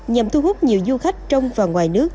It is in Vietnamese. nhằm thu hút nhiều du khách trong và ngoài nước